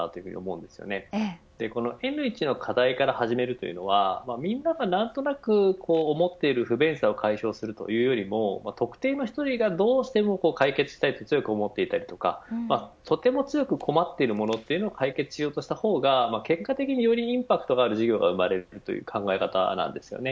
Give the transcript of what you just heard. この、ｎ＝１の課題から始めるというのはみんなが何となく思っている不便さを解消するというよりも特定の１人がどうしても解決したいと思っているとかとても強く困っているものを解決した方が結果的によりインパクトがある事業が生まれるという考え方です。